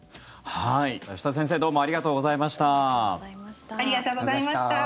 吉田先生どうもありがとうございました。